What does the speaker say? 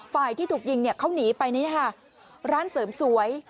ฝ่ายที่ถูกยิงเขาหนีไปร้านเสริมสวย